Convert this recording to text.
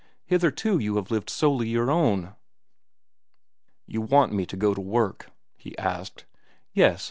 Hitherto you have lived solely your own." "You want me to go to work?" he asked. "Yes.